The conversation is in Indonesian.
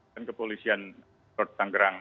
dan kepolisian ketutang gerang juga